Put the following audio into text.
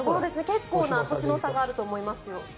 結構な年の差があると思いますよ。